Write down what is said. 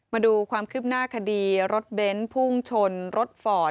มาดูความคลิบหน้าคดีรถเบนซ์ภูมิชลรถฝอด